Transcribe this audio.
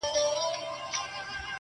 د هغه ږغ د هر چا زړه خپلوي~